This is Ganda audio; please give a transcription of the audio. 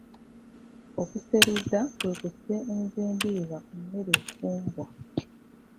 Okuseruza kwe kussa enva endiirwa ku mmere efumbwa.